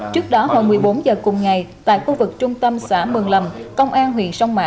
trước đó hồi một mươi bốn giờ cùng ngày tại khu vực trung tâm xã mường lầm công an huyện sông mã